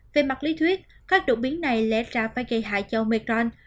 về mặt lý thuyết các đột biến này lẽ ra phải gây hại cho metron